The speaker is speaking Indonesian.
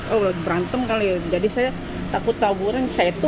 oh berantem kali ya jadi saya takut kaburan saya tutup